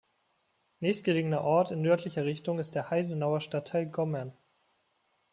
Nächstgelegener Ort in nördlicher Richtung ist der Heidenauer Stadtteil Gommern.